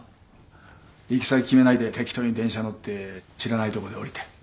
行き先決めないで適当に電車乗って知らないとこで降りて。